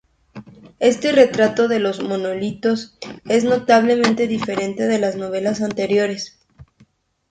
Este retrato de los monolitos es notablemente diferente de las novelas anteriores.